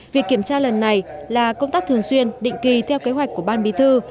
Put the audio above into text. việc kiểm tra lần này là công tác thường xuyên định kỳ theo kế hoạch của ban bí thư